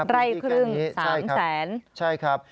ไร่ครึ่ง๓แสนใช่ครับพูดอีกอย่างนี้ใช่ครับ